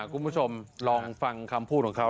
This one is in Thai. คุณผู้ชมลองฟังคำพูดของเขา